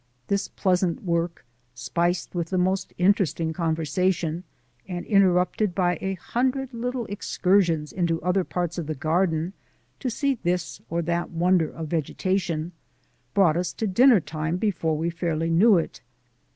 This pleasant work, spiced with the most interesting conversation and interrupted by a hundred little excursions into other parts of the garden, to see this or that wonder of vegetation, brought us to dinner time before we fairly knew it.